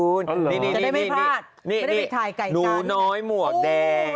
อ๋อเหรอจะได้ไม่พลาดไม่ได้ไปถ่ายไก่กันนี่นี่หนูน้อยหมวกแดง